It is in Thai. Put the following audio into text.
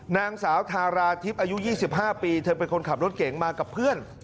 นางสาวทาราทิพย์อายุ๒๕ปีเธอเป็นคนขับรถเก๋งมากับเพื่อน